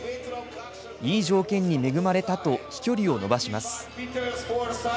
いい条件に恵まれたと、飛距離を伸ばします。